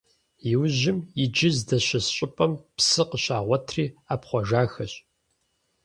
Иужьым, иджы здэщыс щӏыпӏэм псы къыщагъуэтри ӏэпхъуэжахэщ.